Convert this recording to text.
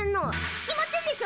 決まってんでしょ！